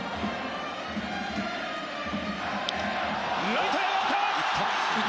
ライトへ上がった！